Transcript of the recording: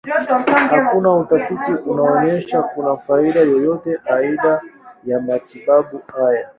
Hakuna utafiti unaonyesha kuna faida yoyote aidha ya matibabu haya.